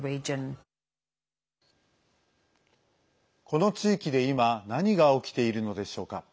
この地域で今、何が起きているのでしょうか。